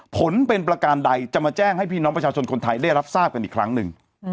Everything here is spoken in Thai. ผลเป็นประการใดจะมาแจ้งให้พี่น้องประชาชนคนไทยได้รับทราบกันอีกครั้งหนึ่ง